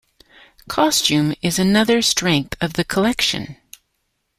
Costume is another strength of the collection.